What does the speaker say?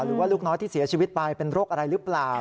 ลูกน้อยที่เสียชีวิตไปเป็นโรคอะไรหรือเปล่า